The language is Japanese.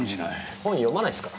本読まないっすから。